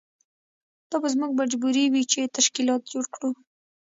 دا به زموږ مجبوري وي چې تشکیلات جوړ کړو.